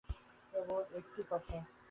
কেবল একটা কথা।